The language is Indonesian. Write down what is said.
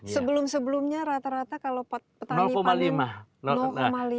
sebelum sebelumnya rata rata kalau petani panen